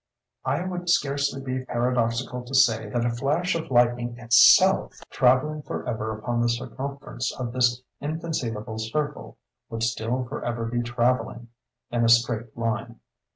It would scarcely be paradoxical to say that a flash of lightning itself, travelling forever upon the circumference of this inconceivable circle, would still forever be travelling in a straight line.